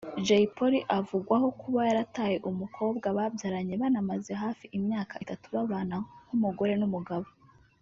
Jay Polly uvugwaho kuba yarataye umukobwa babyaranye banamaze hafi imyaka itatu babana nk’umugore n’umugabo